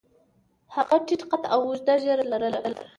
هغه ټیټ قد او اوږده ږیره لرله.